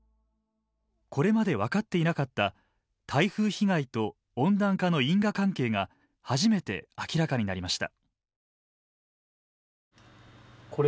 これまで分かっていなかった台風被害と温暖化の因果関係が初めて明らかになりました。